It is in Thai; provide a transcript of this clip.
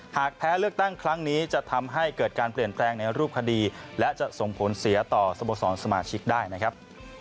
หากแพ้เลือกตั้งครั้งนี้จะทำให้เกิดการเปลี่ยนแปลงในรูปคดีและจะส่งผลเสียต่อสโมสรสมาชิกได้นะครับ